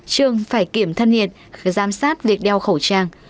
trường phải kiểm thân nhiệt giám sát việc đeo khẩu trang